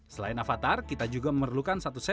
selain avatar kita juga memerlukan satu set